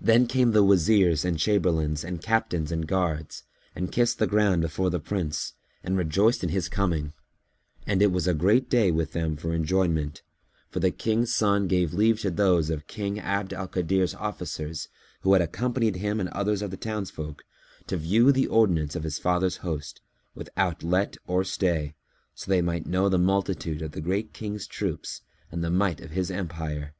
Then came the Wazirs and Chamberlains and Captains and guards and kissed the ground before the Prince and rejoiced in his coming: and it was a great day with them for enjoyment, for the King's son gave leave to those of King Abd al Kadir's officers who had accompanied him and others of the townsfolk, to view the ordinance of his father's host, without let or stay, so they might know the multitude of the Great King's troops and the might of his empire.